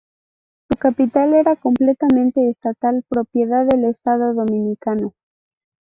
Su capital era completamente estatal, propiedad del Estado Dominicano.